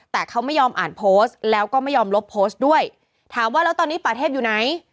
แต่เขาไม่ยอมอ่านโพสต์แล้วก็ไม่ยอมลบโพสต์ด้วยถามว่าแล้วตอนนี้ป่าเทพอยู่ไหน